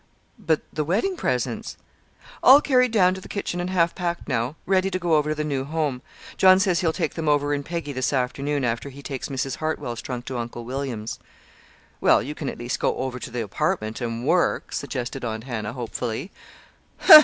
"But the wedding presents?" "All carried down to the kitchen and half packed now, ready to go over to the new home. John says he'll take them over in Peggy this afternoon, after he takes Mrs. Hartwell's trunk to Uncle William's." "Well, you can at least go over to the apartment and work," suggested Aunt Hannah, hopefully.